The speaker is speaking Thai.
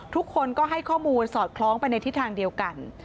ทุกคนก็ให้ข้อมูลสอดคล้องไปในทิศทางเดียวกัน